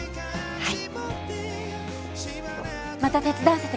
はい。